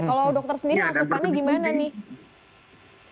kalau dokter sendiri asupannya gimana nih